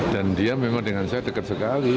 dan dia memang dengan saya dekat sekali